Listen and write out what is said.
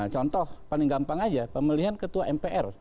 contoh paling gampang aja pemilihan ketua mpr